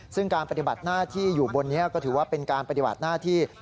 ซึ่งการปฏิบัติหน้าที่อยู่บนนี้ก็ถือว่าเป็นการปฏิบัติหน้าที่